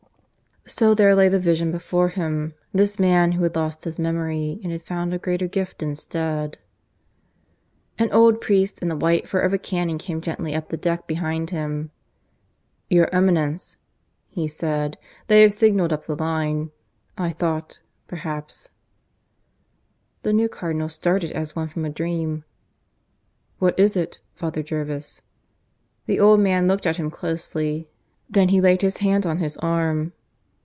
... So there the vision lay before him this man who had lost his memory and had found a greater gift instead. An old priest in the white fur of a canon came gently up the deck from behind. ... "Your Eminence ..." he said, "they have signalled up the line. ... I thought, perhaps " The new Cardinal started as one from a dream. "What is it, Father Jervis? ..." The old man looked at him closely; then he laid his hand on his arm.